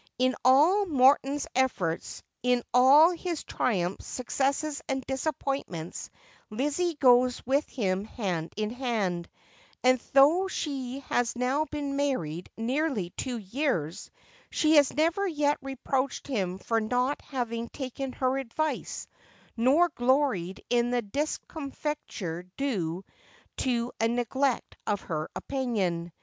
In all Morton's efforts, in all his triumphs, successes, and disappointments, Lizzie goes with him hand in hand : and though she has now been married nearly two years, she has never yet reproached him for not having taken her advice, nor gloried in the discomfiture due to a neglect of her opinion.